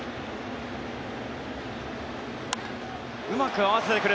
うまく合わせてくる。